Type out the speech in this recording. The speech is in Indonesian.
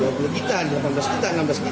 kita ambil lebih lebih juga dari sini